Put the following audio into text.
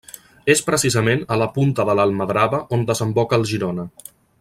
És precisament a la punta de l'Almadrava on desemboca el Girona.